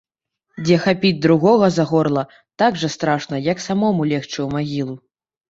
Дзе хапіць другога за горла так жа страшна, як самому легчы ў магілу.